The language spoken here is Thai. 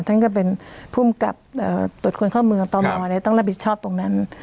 ทั้งกับเป็นผู้มกับเอ่อตรวจคนเข้าเมืองต่อหมอเลยต้องรับบิชชอบตรงนั้น